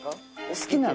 好きなの。